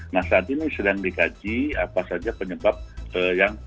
nah saat ini sedang dikaji apa saja penyebab yang